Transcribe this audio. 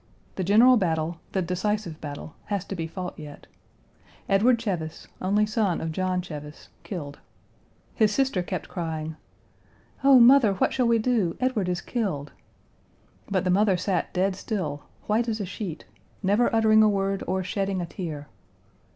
The general battle, the decisive battle, has to be fought yet. Edward Cheves, only son of John Cheves, killed. His sister kept crying, "Oh, mother, what shall we do; Edward is killed," but the mother sat dead still, white as a sheet, never uttering a word or shedding a tear.